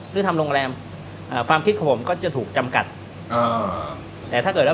หรือทำโรงแรมอ่าความคิดของผมก็จะถูกจำกัดอ่าแต่ถ้าเกิดแล้ว